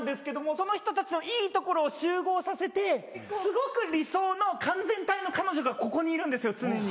その人たちのいいところを集合させてすごく理想の完全体の彼女がここにいるんですよ常に。